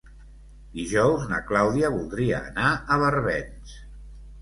Dijous na Clàudia voldria anar a Barbens.